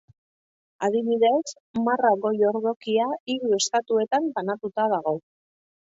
Adibidez Marra goi-ordokia hiru estatuetan banatuta dago.